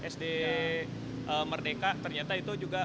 sd merdeka ternyata itu juga